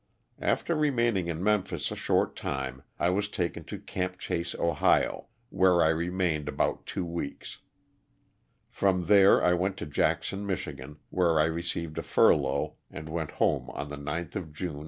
After remaining in Memphis a short time I was taken to ''Camp Chase," Ohio, where I remained about two weeks. From there I went to Jackson, Mich., where I received a furlough and went home on LOSS OF THE SULTAN A.